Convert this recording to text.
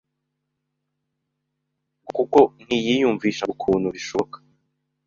ngo kuko ntiyiyumvishaga ukuntu bishoboka